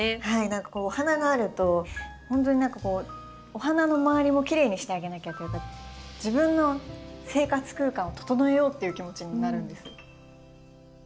何かお花があるとほんとに何かこうお花の周りもきれいにしてあげなきゃというか自分の生活空間を整えようっていう気持ちになるんです。